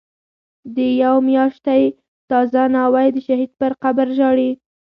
د یوی میاشتی تازه ناوی، دشهید پر قبرژاړی